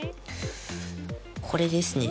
これですね。